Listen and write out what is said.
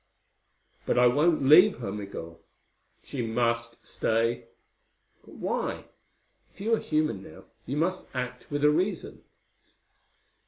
"But I won't leave her, Migul." "She must stay." "But why? If you are human now, you must act with a reason."